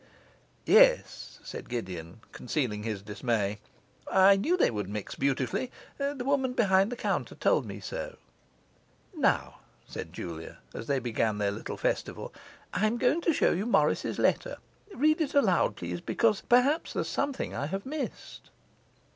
'Yes,' said Gideon, concealing his dismay, 'I knew they would mix beautifully; the woman behind the counter told me so.' 'Now,' said Julia, as they began their little festival, 'I am going to show you Morris's letter; read it aloud, please; perhaps there's something I have missed.